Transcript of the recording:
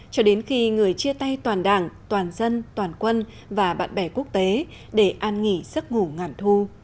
cho đến khi người chia tay toàn đảng toàn dân toàn quân và bạn bè quốc tế để an nghỉ giấc ngủ ngàn thu